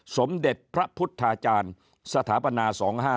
สมเด็จพระพุทธาจารย์สถาปนา๒๕๖